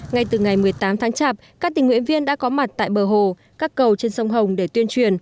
ngay từ ngày một mươi tám tháng chạp các tình nguyện viên đã có mặt tại bờ hồ các cầu trên sông hồng để tuyên truyền